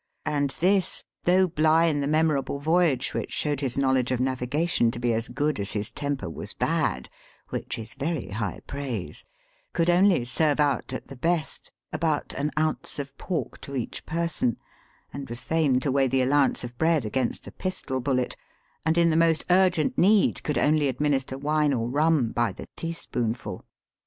And this, though Bligh in the memorable voyage which showed his knowledge of navigation to be as good as his temper was bad (which is very high praise), could only serve out, at the best, " about an ounce of pork to each per son," and was fain to weigh the allowance of bread against a pistol bullet, and in the most urgent need could only administer wine or rum by the teaspoonful.